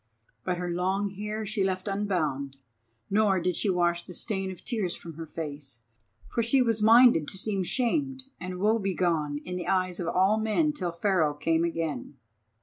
But her long hair she left unbound, nor did she wash the stain of tears from her face, for she was minded to seem shamed and woe begone in the eyes of all men till Pharaoh came again.